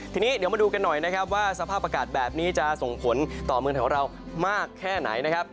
ทีนี้เดี๋ยวมาดูกันหน่อยนะครับว่าสภาพอากาศแบบนี้จะส่งผลต่อเมืองไทยของเรามากแค่ไหนนะครับ